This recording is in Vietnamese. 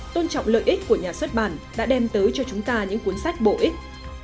tôn trọng lợi ích của nhà xuất bản đã đem tới cho chúng ta những cuốn sách bổ ích